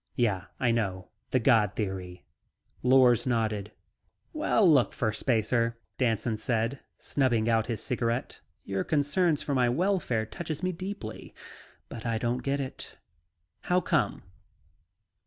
"Yeah, I know. The "god" theory." Lors nodded. "Well, look, Firstspacer," Danson said, snubbing out his cigarette. "Your concern for my welfare touches me deeply, but I don't get it. How come?"